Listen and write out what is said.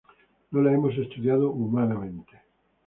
No la hemos estudiado humanamente.